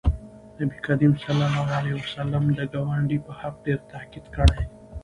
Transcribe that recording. نبي کریم صلی الله علیه وسلم د ګاونډي په حق ډېر تاکید کړی